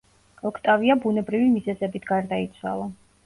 ოქტავია ბუნებრივი მიზეზებით გარდაიცვალა.